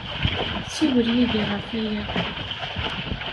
Ssiwel yid-i ɣef waya.